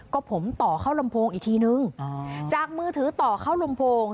ก็ผมต่อเข้าลำโพงอีกทีนึงจากมือถือต่อเข้าลำโพง